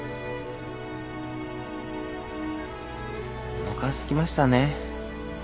おなかすきましたね。